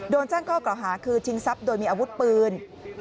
โดนแจ้งข้อกล่าวหาคือชิงทรัพย์โดยมีอาวุธปืน